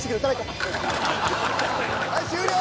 はい終了。